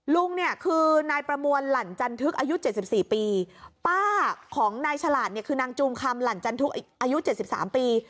ลุงเนี้ยคือนายประมวลหลั่นจันทึกอายุเจ็ดสิบสี่ปีป้าของนายฉลาดเนี้ยคือนางจูงคำหลั่นจันทึกอายุเจ็ดสิบสามปี